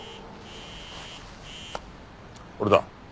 俺だ。